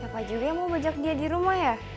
siapa juga yang mau bajak dia di rumah ya